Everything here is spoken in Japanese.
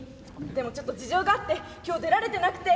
でもちょっと事情があって今日出られてなくて。